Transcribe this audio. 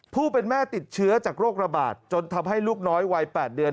ผู้เป็นแม่ติดเชื้อจากโรคระบาดจนทำให้ลูกน้อยวัย๘เดือน